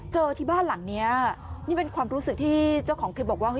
เจอที่บ้านหลังนี้นี่เป็นความรู้สึกที่เจ้าของคลิปบอกว่าเฮ